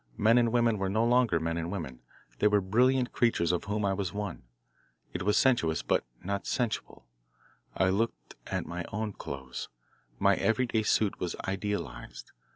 Men and women were no longer men and women they were brilliant creatures of whom I was one. It was sensuous, but not sensual. I looked at my own clothes. My everyday suit was idealised.